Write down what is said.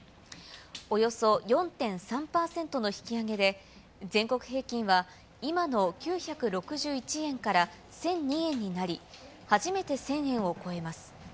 およそ４．３％の引き上げで、全国平均は今の９６１円から１００２円になり、初めて１０００円を超えます。